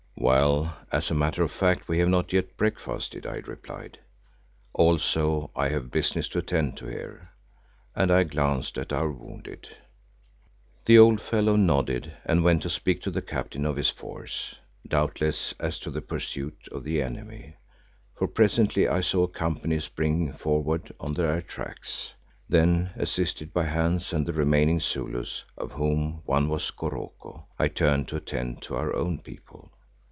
"Well, as a matter of fact we have not yet breakfasted," I replied. "Also I have business to attend to here," and I glanced at our wounded. The old fellow nodded and went to speak to the captains of his force, doubtless as to the pursuit of the enemy, for presently I saw a company spring forward on their tracks. Then, assisted by Hans and the remaining Zulus, of whom one was Goroko, I turned to attend to our own people.